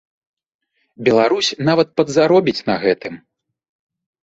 Беларусь нават падзаробіць на гэтым.